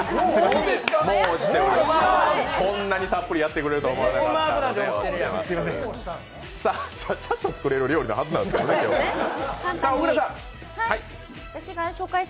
こんなにたっぷりやってくれるとは思わなかったので、押してます。